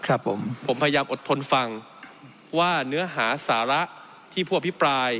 ครับผมผมพยายามอดทนฟังว่าเนื้อหาสาระที่ผู้อภิปราย